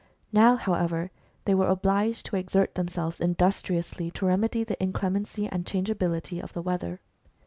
Now, however, they were obliged to exert themselves industriously to remedy the inclemency and changeability of the weather.